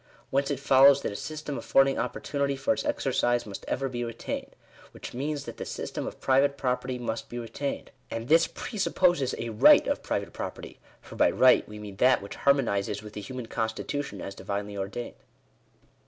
Whence it follows that a system affording opportunity for its exercise must ever be retained ; which means, that the system of private property must be retained; and this presupposes a right of private property, foi^by right we mean that which harmonizes with the human constitution as divinely ordained.)